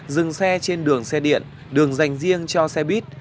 dừng xe trên đường xe điện đường dành riêng cho xe buýt